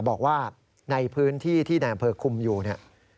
บอกว่าในพื้นที่ที่นายอำเภอคุมอยู่เนี่ย